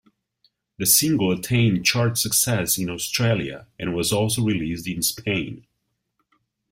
The single attained chart success in Australia and was also released in Spain.